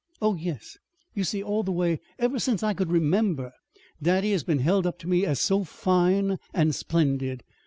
"Oh, yes. You see, all the way, ever since I could remember, daddy has been held up to me as so fine and splendid.